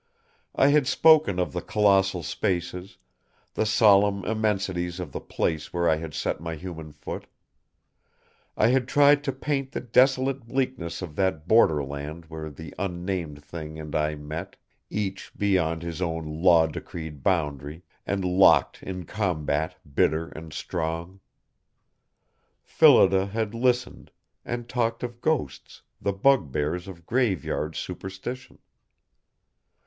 I had spoken of the colossal spaces, the solemn immensities of the place where I had set my human foot. I had tried to paint the desolate bleakness of that Borderland where the unnamed Thing and I met, each beyond his own law decreed boundary, and locked in combat bitter and strong. Phillida had listened; and talked of ghosts the bugbears of grave yard superstition.